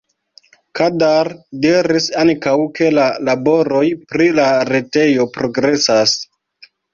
Kadar diris ankaŭ, ke la laboroj pri la retejo progresas.